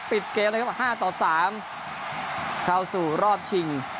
ปิดเกลียวเลยครับห้าต่อสามเข้าสู่รอบชิง